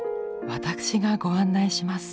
私がご案内します。